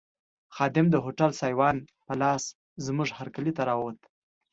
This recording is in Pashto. خادم د هوټل سایوان په لاس زموږ هرکلي ته راووت.